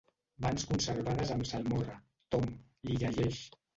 Mans conservades amb salmorra, Tom —li llegeix—.